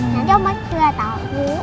nanti om baik juga tau